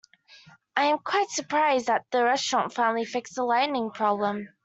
I am quite surprised that the restaurant finally fixed the lighting problem.